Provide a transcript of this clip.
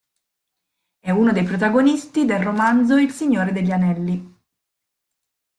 È uno dei protagonisti del romanzo "Il Signore degli Anelli".